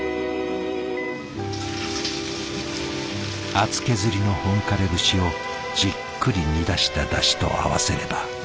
厚削りの本枯節をじっくり煮出しただしと合わせれば。